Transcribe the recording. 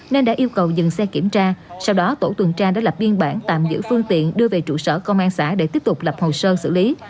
nên đã yêu cầu dừng xe kiểm tra sau đó tổ tuần tra đã lập biên bản tạm giữ phương tiện đưa về trụ sở công an xã để tiếp tục lập hồ sơ xử lý